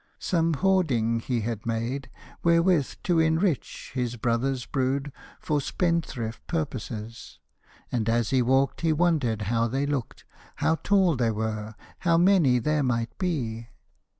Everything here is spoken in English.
Some hoarding he had made, wherewith to enrich His brother's brood for spendthrift purposes; And as he walked he wondered how they looked, How tall they were, how many there might be.